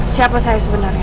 siapa saya sebenarnya